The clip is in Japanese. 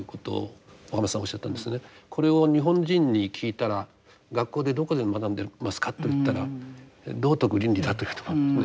これを日本人に聞いたら学校でどこで学んでますかと言ったら道徳・倫理だと言うと思うんですね。